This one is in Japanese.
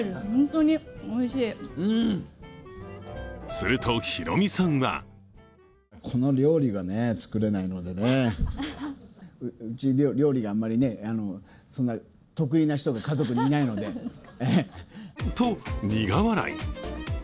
すると、ヒロミさんはと苦笑い。